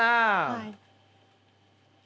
はい。